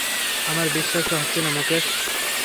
আমার বিশ্বাসই হচ্ছে না মুকেশ।